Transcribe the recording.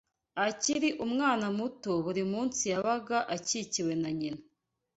Akiri umwana muto buri munsi yabaga akikiwe na nyina